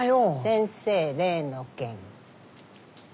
先生例の件。